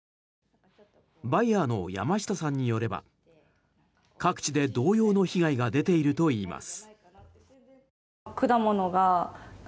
バイヤーの山下さんによれば各地で同様の被害が出ているといいます。